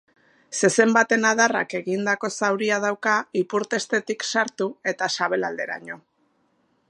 Zezen baten adarrak egindako zauria dauka ipurtestetik sartu eta sabelalderaino.